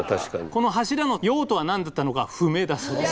この柱の用途は何だったのか不明だそうです。